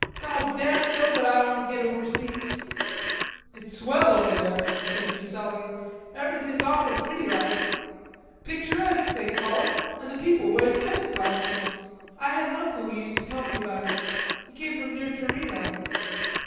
"Goddam it, though, but Ah want to git overseas." "It's swell over there," said Fuselli, "everything's awful pretty like. Picturesque, they call it. And the people wears peasant costumes.... I had an uncle who used to tell me about it. He came from near Torino."